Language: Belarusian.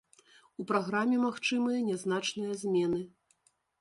У праграме магчымыя нязначныя змены.